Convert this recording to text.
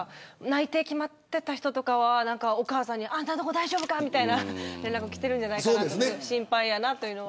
内定決まっていた人とかはお母さんにあんたんとこ大丈夫かみたいな連絡きてるんじゃないかなって心配やなと。